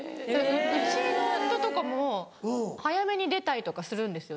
うちの夫とかも早めに出たりとかするんですよ。